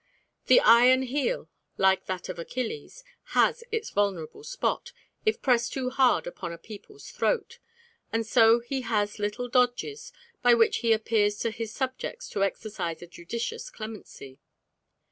The iron heel, like that of Achilles, has its vulnerable spot if pressed too hard upon a people's throat, and so he has little dodges by which he appears to his subjects to exercise a judicious clemency.